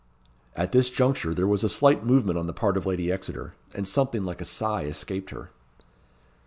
At this juncture there was a slight movement on the part of Lady Exeter, and something like a sigh escaped her.